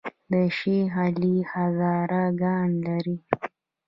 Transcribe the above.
د شیخ علي هزاره ګان لري